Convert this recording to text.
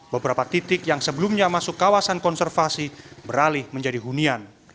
beberapa titik yang sebelumnya masuk kawasan konservasi beralih menjadi hunian